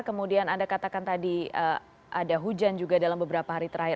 kemudian anda katakan tadi ada hujan juga dalam beberapa hari terakhir